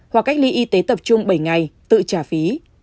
hoặc cách ly y tế tập trung bảy ngày tự trả phí